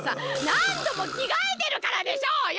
なんどもきがえてるからでしょうよ！